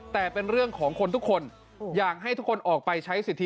แต่เป็นเรื่องของคนทุกคนอยากให้ทุกคนออกไปใช้สิทธิ